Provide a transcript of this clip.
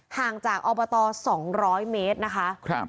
ห่างจากอบต๒๐๐เมตรนะคะ